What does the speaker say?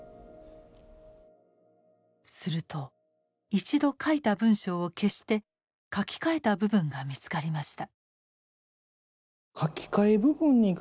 すると一度書いた文章を消して書き換えた部分が見つかりました。